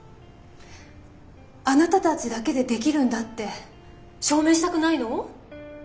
あなたたちだけでできるんだって証明したくないの？